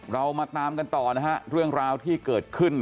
เรามาตามกันต่อนะฮะเรื่องราวที่เกิดขึ้น